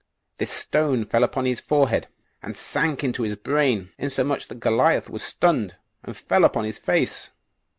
This stone fell upon his forehead, and sank into his brain, insomuch that Goliath was stunned, and fell upon his face.